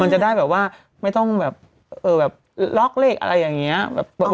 มันจะได้แบบว่าไม่ต้องล็อกแลกือ